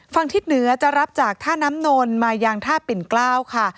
ทิศเหนือจะรับจากท่าน้ำนนมายังท่าปิ่นเกล้าค่ะ